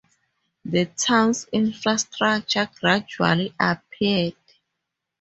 The town's infrastructure gradually appeared.